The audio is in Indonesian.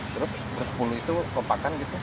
terus bersepuluh itu kompakan gitu